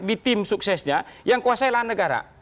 di tim suksesnya yang kuasailah negara